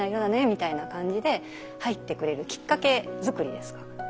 みたいな感じで入ってくれるきっかけづくりですか。